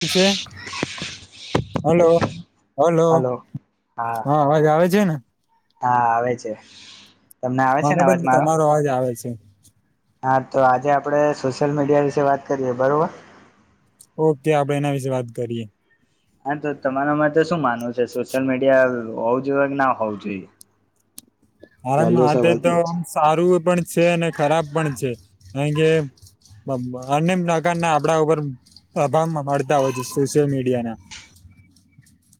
[unintelligible] છે hello hello હા અવાજ આવે છે ને હા આવે છે. તમને આવે છે મને ને અવાજ પણ મારો તમારો અવાજ આવે છે. હા તો આજે આપડે સોશિયલ મીડિયા વિશે વાત કરીએ બરોબર ઓકે આપડે એના વિશેે વાત કરીએ આ તો તમારા માટે તો શું માનવું છે સોશિયલ મીડિયા હોવું જોઈએ કે ના હોવું જોઈએ મારા પહેલો મતે સવાલ તો એ છે ઓમ સારું પણ છે અને ખરાબ પણ છે કારણ કે બ-બન્ને પ્રકાર ના આપડા ઉપર પ્રભાવ પ-પડતા હોય છે સોશિયલ મીડિયા ના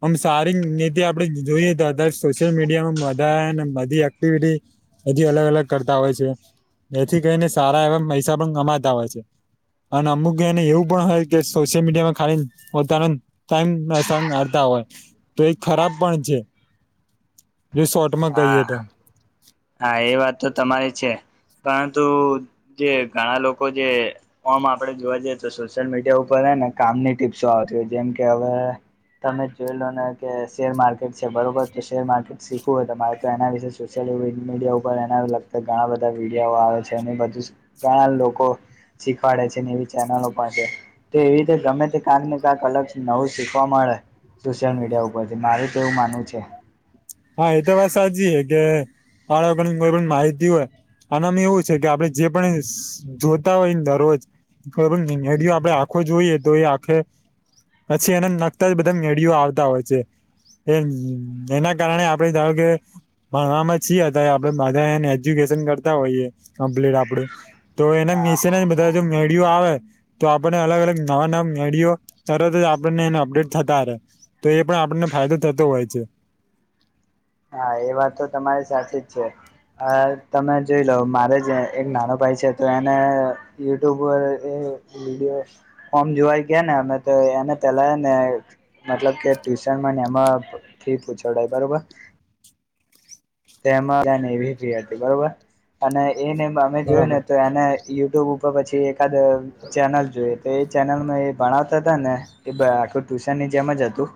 ઓમ સારી રીતે આપડે જોઈએ તો અત્યારે સોશિયલ મીડિયા માં બધા હેન બધી એક ક્ટિવિટી હજી અલગ અલગ કરતા હોય છે જેથી કઈને સારા એવા પૈસા પણ કમાતા હોય છે. અન અમુક એન એવું પણ હોય કે સોશિયલ મીડિયામાં ખાલી પોતાના ટાઈમ પ્રસાર કરતા હોય તો એ ખરાબ પણ છે [inaudible] જો શોર્ટ માં હા કહીએ તો. હા એ વાત તો તમારી છે, પરંતુ જે ઘણા લોકો જે ઓમ આપડે જોવા જઈએ તો સોશિયલ મીડિયા ઉપરને કામની ટીપ્સો આવતી હોય જેમ કે હવે તમે જોઈ લો ને કે શેર માર્કેટ છે બરોબર તો શેર માર્કેટ શી શું તમા મારે તો એના વિશે સોશિયલ મીડિયા ઉપર એના લગતા ઘણા બધા વિડયોઓ આવે છે અને બધું ઘણા લોકો, શીખવાડે છે એવી ચેનલો પણ છે. તો એવી રીતે ગમે તે ક્યાંક ને ક્યાંક અલગ નવું શીખવા મળે. સોશિયલ મીડિયા ઉપરથી મારેું તો એવું માનવું છે. હા એ તો વાત સાચી છે કે બાળકોની કોઈ પણ માહિતી હોય. આનામ એવું છે કે આપડે જે પણ જોતા હોયને દરરોજ. બરોબર નઈ હ આપડે આંખો જોઈએ તો એ આખે પછી એના નખતા જ બધા મેળીઓ આવતા હોય છે, એ એના કારણે આપે ધારો કે ભણવામાં છી હતા આપડે બધાને એજ્યુકેશન કરતા હોઈએ, કમ્પ્લીટ આપડું. તો એને હા મસીને બધા જો મેળિયું આવે. તો આપણને અલગ અલગ નવા નવા વિડયો તરત જ આપણને એને અપડેટ થતા રહે. તો એ પણ આપણને ફાયદો થતો હોય છે. હા એ વાત તો તમારી સાથે જ છે. હ તમે જોઈ લો મારે જ એક નાનો ભાઈ છે તો એને યુટ્યુબ વ એ વીડયો ફમ જોવાઈ ગયા ને અમે તો એને પેલા ને. મતલબ કે ટ્યુશન ને એમાં ફી પૂછડાય બરોબર. તેમાંને એવી ફી હતી બરોબર, અને એને અમે જોયું ને બરાબર તો એને યુટ્યુબ ઉપર પછી એકાદ ચેનલ જોઈએ તો એ ચેનલમાં એ ભણાવતા હતા ને, કે આખું ટ્યુશન ની જેમ જ હતું.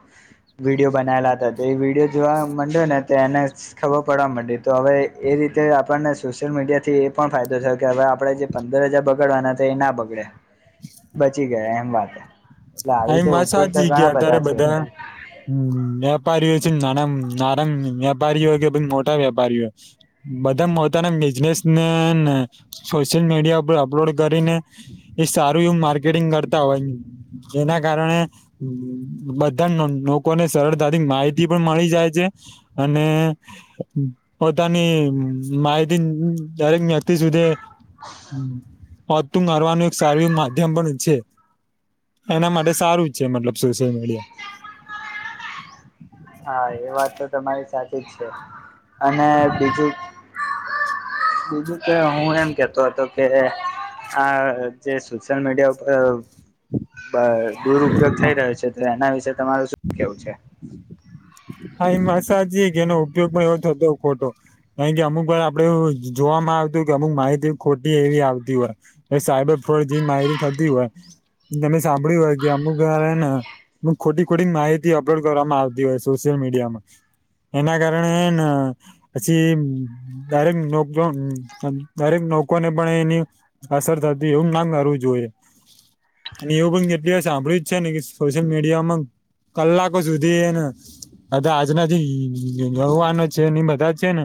વિડીયો બનાવેલા હતા તો એ વિડીયો જોવા માંડ્યો ને તો એને ખબર પડવા માટે તો હવે એ રીતે આપણને સોશિયલ મીડિયાથી એ પણ ફાયદો થયો કે હવે આપણે જે પંદર હજાર બગાડવાના તો એ ના બગડે, બચી ગયા એમ વાત. એટલે આવી આ રીતે વાત ઉપયોગ તો ઘણા બધા છે. હમ વેપારીઓ છે નાના નાના વેપારીઓ કે ભ મોટા વેપારીઓ. બધા મોતાના બિઝનેસ ને ને સોશિયલ મીડિયા ઉપર અપલોડ કરીને. એ સારું એવ માર્કેટિંગ કરતા હોય, જેના કારણે. બધા લોકોને સરળતાથી માહિતી પણ મળી જાય છે. અને પોતાની માહિતી દરેક વ્યક્તિ સુધી. હોતું મારવાનું એક સારું માધ્યમ પણ છે. એના માટે સારું છે મતલબ સોશિયલ મીડિયા. હા એ વાત તો તમારી સાચી જ છે, અને બીજું બીજું કે હું એમ કેતો હતો કે આ જે સોશિયલ મીડિયા ઉપર બ દુરપયોગ થઈ રહ્યો છે તો એના વિશે તમારું શું કેવું છે? હા એ મસાજ કે એનો ઉપયોગ પણ એવો થતો ખોટો. કારણ કે અમુક વાર આપડે એવું જોવામાં આવતુંય કે અમુક માહિતી ખોટી એવી આવતી હોય. એ સાયબર ફોડ જે માયરી થતી હોય. તમે સાંભળ્યું હોય કે અમુક વા ને, અમક ખોટી ખોટી માહિતી અપલોડ કરવામાં આવતી હોય છે. સોશયલ મીડિયામાં એના કારણે હેન પછી દરેક લોકો દરેક લોકો ને પણ એની અસર થતી એવું ના કરવું જોઈએ. અને એવું પણ કેટલી વાર સંભાળ્યું છે ને સોશિયલ મીડિયા માં કલાકો સુધી હેન અધા આજના જે યુવાનો છે એ બધા છે ને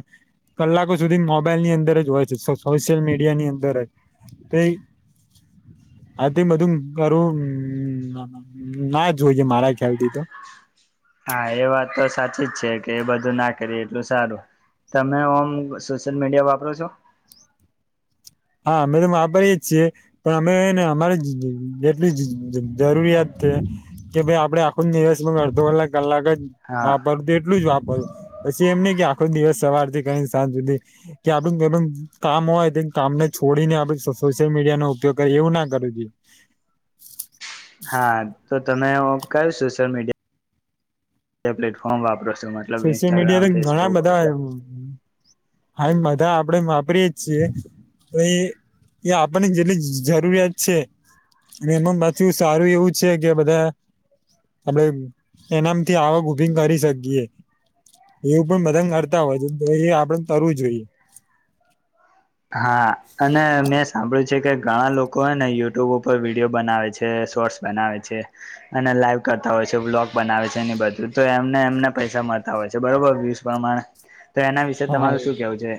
કલાકો સુધી મોબાઈલ ની અંદર જ હોય છે સો સોશિયલ મીડિયા ની અંદર જ તે ઈ હા તે બધું કરવું ના જોઈએ મારા ખ્યાલ થી તો હા એ વાત તો સાચી જ છે કે એ બધું ના કરીએ એટલું સારું તમે ઓમ સોશિયલ મીડિયા વાપરો છો? હા અમે તો વાપરીએ છીએ. પણ અમે હેને અમારે જ જેટલી જ જરૂરિયાત છે. કે ભાઈ આપડે આખો દિવસમાં અડધો કલાક કલાક જ હા વાપરું તો એટલું જ વાપરવું પછી એમ ની કે આખો દિવસ સવારથી કરિને સાંજ સુધી કે આપડે કોઈ પણ કામ હોય કામ ને છોડીને આપડે સોશિયલ મીડિયા નો ઉપયોગ કરીએ એવુ ના કરવું જોઈએ. હા તો તમે ઓમ કયો સોશિયલ મીડિયા એ પ્લેટફોર્મ વાપરોસો મને સોશિયલ મીડિયા તો ઘણા બધા હે હા એ બધા આપડે વાપરીએ જ છીએ. તો એ એ આપણને જેટલી જ જરૂરિયાત છે. ને એમાં પાછું સારું એવું છે કે બધા આપડે એનામથી આવક ઉભી કરી શકીએ. એવું પણ બધા કરતા હોય છે એ આપડે કરવું જોઈએ. હા અને મેં સાંભળ્યું છે કે ઘણા લોકો હે ને યુટ્યુબ ઉપર વિડીયો બનાવે છે શોર્ટસ બનાવે છે. અને લાઈવ કરતા હોય છે બ્લોગ બનાવે છે એની બધું તો એમને એમને પૈસા મળતા હોય છે બરોબર વ્યૂઝ પ્રમાણે તો એના વિશે હા તમારું શું કેવું છે?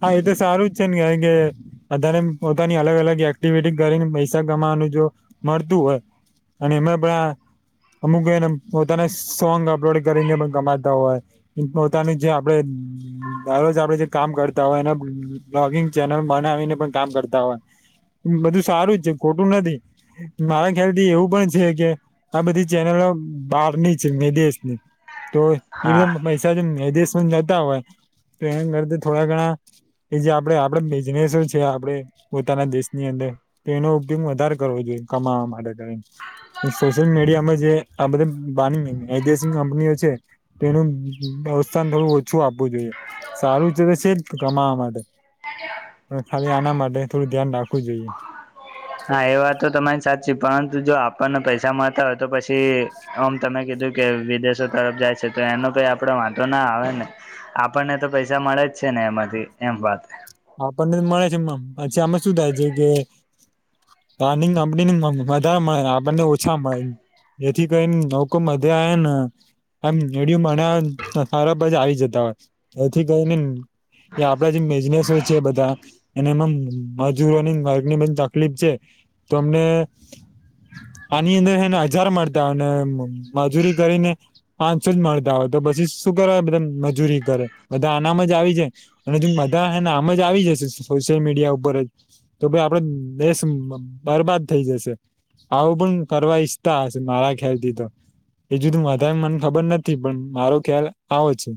હા એ તો સારું જ છે ને કારણ કે બધાને પોતાની અલગ અલગ એક્ટિવિટી કરીને પૈસા કમાવાનું જો મળતું હોય અને એમાં પણ આ અમુક હે ને પોતાને સોંગ અપલોડ કરીને પણ કમાતા હોય પોતાનું જે આપડે દરરોજ આપડે જે કામ કર તા હોય ને બ્લોગિંગ ચેનલ બનાવીને પણ કામ કરતા હોય. બધું સારું જ છે ખોટું નથી મારા ખ્યાલ થી એવું પણ છે કે આ બધી ચેનલો બહારની છે વિદેશની તો એ હા બધા પૈસા જે વિદેશ માં જતા હોય તો એના કરતા થોડા ઘણા એ જે આપડે આપડે બિઝનેસ છે આપડે પોતાના દેશની અંદર તો એનો ઉપયોગ વધારે કરવો જોઈએ કમાવા માટે કરી સોશિયલ મીડિયામાં જે આ બધ બારની વિદેશી કંપનીઓ છે. તેનું અવસ્થાન થોડું ઓછું આપવું જોઈએ સારું તો છે કમાવા માટે પણ ખાલી આના માટે થોડું ધ્યાન રાખવું જોઈએ. હા એ વાત તો તમારી સાચી પરંતુ જો આપણને પૈસા મળતા હોય તો પછી આમ તમે કીધું કે વિદેશો તરફ જાય છે તો એનો કઈ આપડો વાંધો ના આવે ને આપણને તો પૈસા મળે જ છે ને એમાંથી એમ વાત થાય આપણને મળે છેમ પછી આમાં શું થાય છે કે. પનીંગ કંપની મા મળે આપણને ઓછા મળે. એથી કઈ નૌકો મધ આવે. આમ એડું મને સારાબ જ આવી જતા હોય એથી ગઈ ને. કે આપડે જે બિઝનેસ. છે બધા અને એમાં મજૂરોની વર્ગની બ તકલીફ છે. તમને. આની અંદર એને હજાર મળતા અને મજૂરી કરીને. પાંચસો જ મળતા હોય તો પછી શું કર બધ મજૂરી કરે બધા આનામ જ આવી જાય. અને જો બધા હને આમ જ આવી જશે સોશિયલ મીડિયા ઉપર જ. તો ભાઈ આપડો દેશ બરબાદ થઈ જશે. આવું પણ કરવા ઈચ્છતા હશે મારા ખ્યાલ થી તો. એજુધું વધારે મને ખબર નથી પણ મારો ખ્યાલ આવો છે.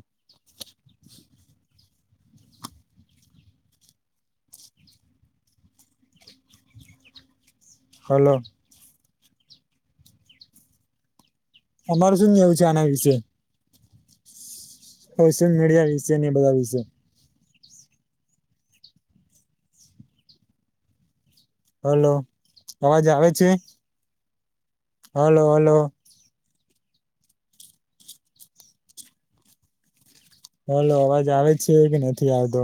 હલો. અમારું શું ને એવું છે આના વિશે. સોશિયલ મીડિયા વિશે બધા વિશે. હલો બાબા જ આવે છે. Hello hello. હલો અવાજ આવે છે કે નથી આવતો.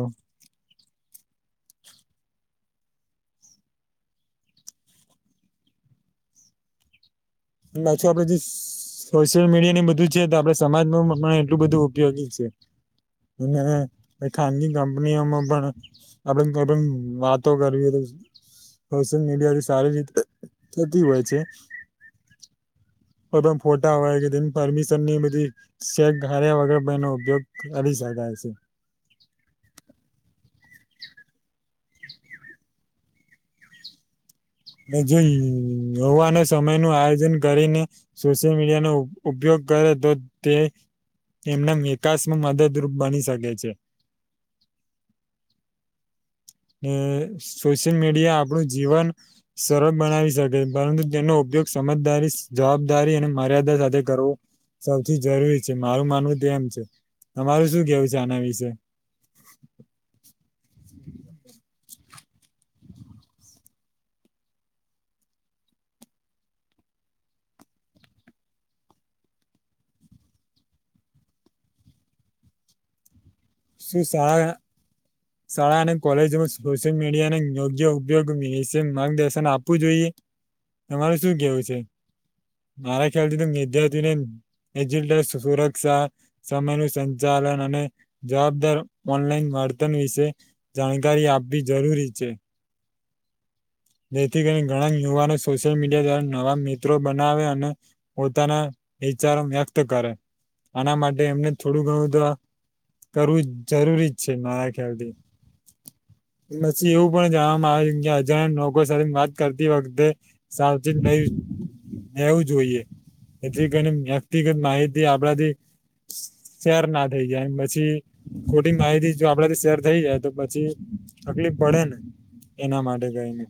નાછી આપડ સોશિયલ મીડિયા ની બધું છે તો આપડે સમાજ ન પણ એટલું બધું ઉપયોગી છે. અનેઠાની કંપનીઓમાંબ. આપડે આપ વાતો કરવી તો. સોશિયલ મીડિયાથી સારી રીતે થતી હોય છે. પણ ફોટા આવેય કે પરમિશન ની બધી. શેક હાર્યા વગર ભનો ઉપયોગ કરી શકાય છે. મે જો હવાનો સમય નું આયોજન કરીને. સોશિયલ મીડિયા નો ઉપયોગ કરે તો તે એમના વિકાસમાં મદદરૂપ બની શકે છે. ને સોશિયલ મીડિયા આપણું જીવન સરળ બનાવી શકે પરંતુ તેનો ઉપયોગ સમજદારી જવાબદારી અને મર્યાદા સાથે કરવો. સૌથી જરૂરી છે મારું માનવું તે એમ છે તમારું શું કેવું છે આના વિશે. હમ શ્રી સાર. શાળા અને કોલેજમાં સોશિયલ મીડિયા યોગ્ય ઉપયોગ વિશે માર્ગદર્શન આપવું જોઈએ. તમારે શું કેવું છે મારા ખ્યાલ થી તો નિધ્ય હતું ને એ જિલ્લા સુ સુરક્ષા. સમયનું સંચાલન અને જવાબદાર ઓનલાઈનતા. ન વિશે જાણકારી આપવી જરૂરી છે. જેથી કરીને ઘણા યુવાનો સોશિયલ મીડિયા દ્વારા નવા મિત્રો બનાવે અને. પોતાના વિચારો વ્યક્ત કરે આના માટે એમને થોડું ઘણું તો કરવું જ જરૂરી જ છે મારા ખ્યાલથી. પછી એવું પણ જાણવા આવે કે અજાણ. લોકો સાથે વાત કરતી વખતે સાવચેત રહેવું જોઈએ. એથી કરીન વ્યક્તિગત માહિતી આપણાથી શેર ના થઈ જાયન પછી ખોટી માહિતી જો આપડાથી શેર થઈ જાય તો પછી તકલીફ પડે ને. એના માટે જાયને.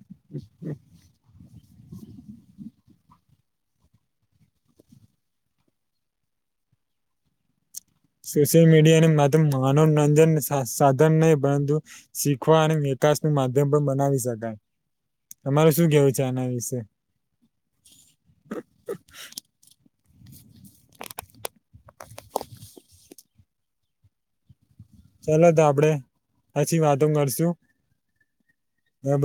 [inaudible] સોશિયલ મીડિયા ને માત્ર મનોરંજન નો સાધન નહી પરંતુ. શીખવા અને વિકાસ નું માધ્યમ પણ બનાવી શકાય. તમારુ શું કેવું છે આના વિશે? [inaudible] ચલો તો આપડે પછી વાતો કરશું.